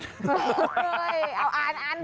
เฮ่ยเอาอ่านเป็นยังไง